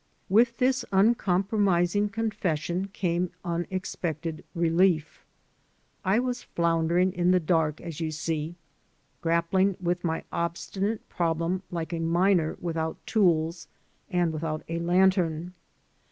With this uncompromising confession came unex pected relief. I was floundering in the dark as you see, grappling with my obstinate problem like a miner with out tools and without a lantern.